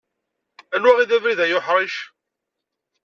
Anwa i d abrid ay uḥric?